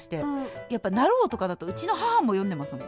やっぱ「なろう」とかだとうちの母も読んでますもん。